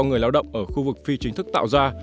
do người lao động ở khu vực phi chính thức tạo ra